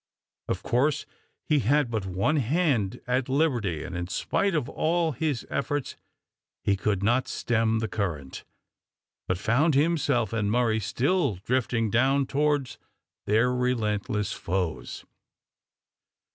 Of course he had but one hand at liberty, and in spite of all his efforts he could not stem the current, but found himself and Murray still drifting down towards their relentless foes.